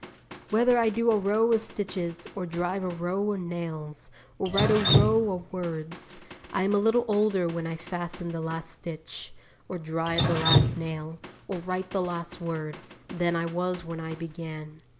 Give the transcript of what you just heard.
Whether I do a row of stitches, or drive a row of nails, or write a row of words, I am a little older when I fasten the last stitch, or drive the last nail, or write the last word, than I was when I began.